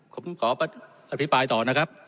ผมขออภิปรายต่อนะครับ